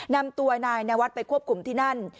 นำตัวนายนวัดไปควบคุมที่นั่น